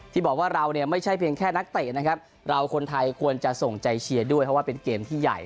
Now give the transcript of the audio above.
ที่บอกว่าเราเนี่ยไม่ใช่เพียงแค่นักเตะนะครับเราคนไทยควรจะส่งใจเชียร์ด้วยเพราะว่าเป็นเกมที่ใหญ่